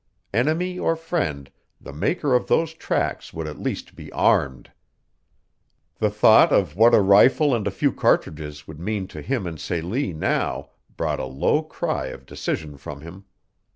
Enemy or friend the maker of those tracks would at least be armed. The thought of what a rifle and a few cartridges would mean to him and Celie now brought a low cry of decision from him.